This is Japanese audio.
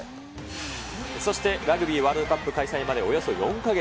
そしてラグビーワールドカップ開催まで、およそ４か月。